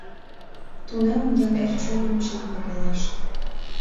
Тунемым яндар чоным чын пагалаш.